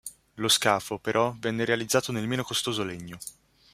Lo scafo, però, venne realizzato nel meno costoso legno.